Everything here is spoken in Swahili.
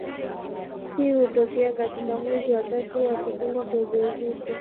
Hii hutokea katika mwezi wa tatu wa kipindi cha ujauzito.